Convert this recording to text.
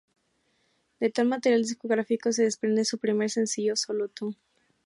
De tal material discográfico se desprende su primer sencillo "Solo tu".